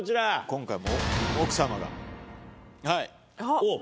今回も奥様がはい。